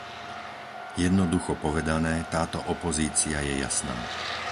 Jednoducho povedané, táto opozícia je jasná.